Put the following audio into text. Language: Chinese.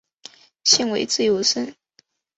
现为自由身。